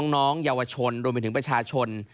น้องเยาวชนรวมไปถึงประชาชน